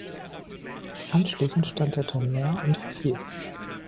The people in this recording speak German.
Anschließend stand der Turm leer und verfiel.